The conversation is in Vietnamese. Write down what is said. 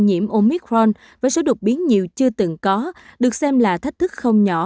nhiễm omicron với số đột biến nhiều chưa từng có được xem là thách thức không nhỏ